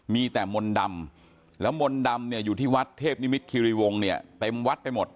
มีแต่มณดำแล้วมณดำอยู่ที่วัฒน์เทพนิมิตฯคิโรยีวงศ์